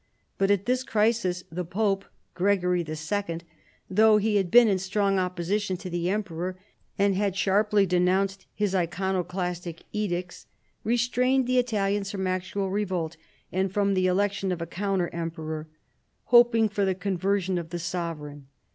But at this crisis the pope (Gregory II.), though he had been in strong opposi tion to the emperor, and had sharply denounced liis iconoclastic edicts, restrained the Italians from actual revolt and from the election of a counter em peror, " hoping for the conversion of the sovereign."